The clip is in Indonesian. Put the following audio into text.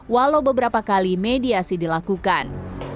walau beberapa kali mediasi dilakukan